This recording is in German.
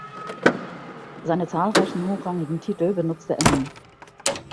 Seine zahlreichen hochrangigen Titel benutzte er nie.